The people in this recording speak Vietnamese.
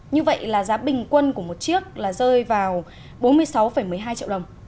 như vậy là giá bình quân của một chiếc là rơi vào bốn mươi sáu một mươi hai triệu đồng